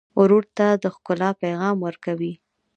ورور ته د ښکلا پیغام ورکوې.